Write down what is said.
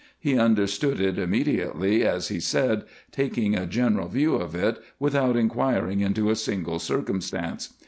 He understood it immediately, as he said, taking a general view of it without in quiring into a single circumstance.